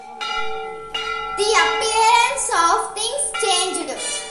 The appearance of things changed.